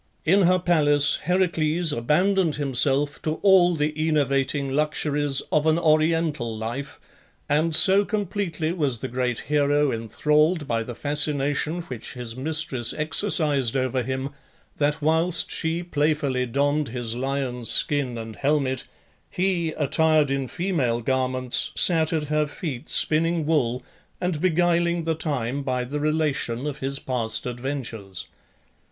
In her palace Heracles abandoned himself to all the enervating luxuries of an oriental life, and so completely was the great hero enthralled by the fascination which his mistress exercised over him, that whilst she playfully donned his lion's skin and helmet, he, attired in female garments, sat at her feet spinning wool, and beguiling the time by the relation of his past adventures.